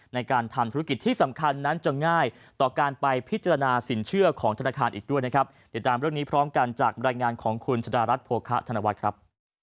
ในการทำธุรกิจที่สำคัญนั้นจะง่ายต่อการไปพิจารณาสินเชื่อของธนาคารอีกด้วยนะครับ